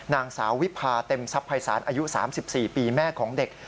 นางสาววิพาเต็มทรัพภัยศาลอายุ๓๔ปีแม่ของเด็ก